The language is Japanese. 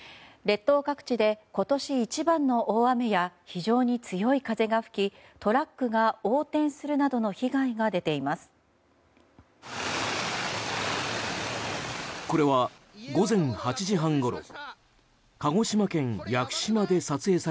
列島各地で今年一番の大雨や非常に強い風が吹きトラックが横転するなどの被害が出ています。